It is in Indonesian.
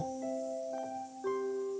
sedang menunggu untuk membunuhku